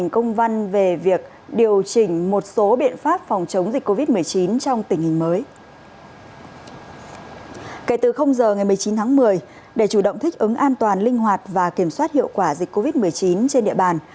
kể từ giờ ngày một mươi chín tháng một mươi để chủ động thích ứng an toàn linh hoạt và kiểm soát hiệu quả dịch covid một mươi chín trên địa bàn